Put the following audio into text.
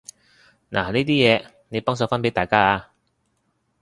嗱呢啲嘢，你幫手分畀大家啊